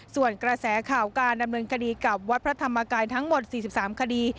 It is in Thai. ส่วนกระแสข่าวการดำเนินคดีกับวัดพระธรรมกายทั้งหมด๔๓คดี